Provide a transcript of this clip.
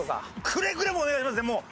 くれぐれもお願いしますね！